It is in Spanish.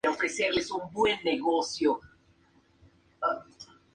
Actualmente se encuentra en remodelación para mejorar las instalaciones.